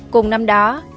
cùng năm đó